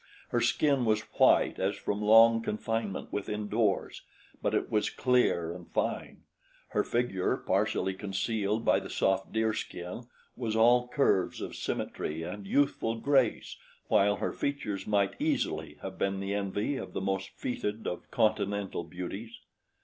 Her skin was white as from long confinement within doors; but it was clear and fine. Her figure, but partially concealed by the soft deerskin, was all curves of symmetry and youthful grace, while her features might easily have been the envy of the most feted of Continental beauties.